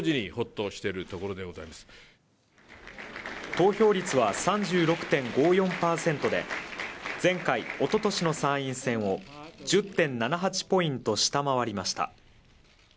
投票率は３６．５４％で前回、おととしの参院選を１０．７８ポイント下回りました。